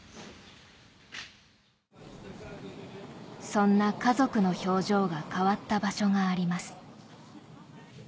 そんな家族の表情が変わった場所があります